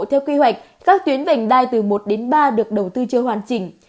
theo kế hoạch các tuyến vành đai từ một đến ba được đầu tư chưa hoàn chỉnh